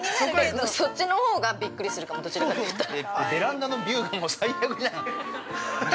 そっちのほうがびっくりするかも、どちらかといったら。